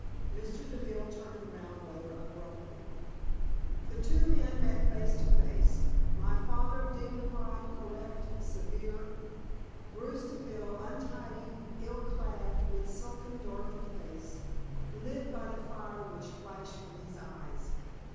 Mr. Deville turned round rather abruptly. The two men met face to face, my father dignified, correct, severe, Bruce Deville untidy, ill clad, with sullen, darkened face, lit by the fire which flashed from his eyes.